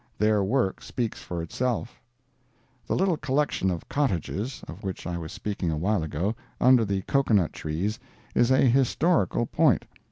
Their work speaks for itself. The little collection of cottages (of which I was speaking a while ago) under the cocoa nut trees is a historical point.